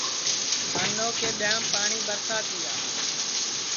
سانو کے ٻیاںٚم پاٹؔی ٻرسا تیا